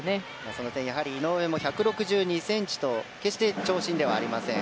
その点、井上も１６２ｃｍと決して長身ではありません。